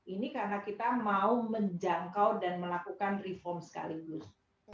ini karena kita mau menjangkau dan melakukan reform sekaligus